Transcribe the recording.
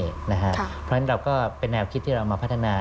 เพราะฉะนั้นเราก็เป็นแนวคิดที่เรามาพัฒนา